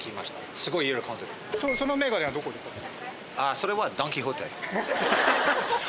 それは。